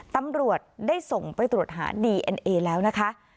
ตำรวจได้ส่งไปตรวจหาดีเอ็นเอแล้วนะคะ